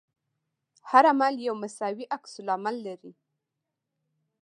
هر عمل یو مساوي عکس العمل لري.